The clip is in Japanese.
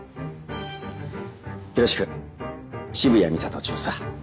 よろしく渋谷美里巡査。